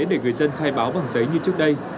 để người dân khai báo bằng giấy như trước đây